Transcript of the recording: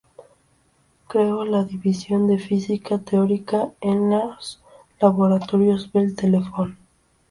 Creó la división de física teórica en los Laboratorios Bell Telephone.